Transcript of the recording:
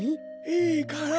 いいから。